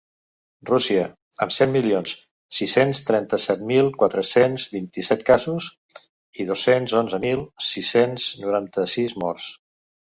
Rússia, amb set milions sis-cents trenta-set mil quatre-cents vint-i-set casos i dos-cents onze mil sis-cents noranta-sis morts.